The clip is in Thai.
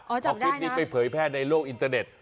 เอาคลิปนี้ไปเผยแพร่ในโลกอินเตอร์เน็ต